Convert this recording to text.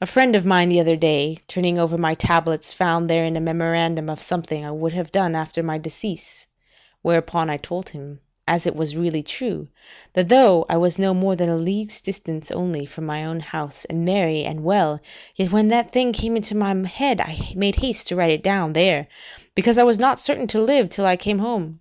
A friend of mine the other day turning over my tablets, found therein a memorandum of something I would have done after my decease, whereupon I told him, as it was really true, that though I was no more than a league's distance only from my own house, and merry and well, yet when that thing came into my head, I made haste to write it down there, because I was not certain to live till I came home.